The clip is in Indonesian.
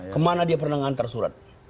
kemana dia pernah mengantar surat